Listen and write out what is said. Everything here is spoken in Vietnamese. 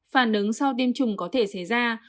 phản ứng sau tiêm chủng có thể xảy ra